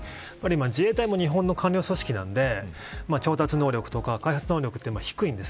自衛隊も日本の官僚組織なんで調達能力とか開発能力って低いんです。